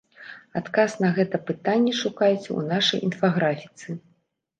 Адказ на гэта пытанне шукайце ў нашай інфаграфіцы.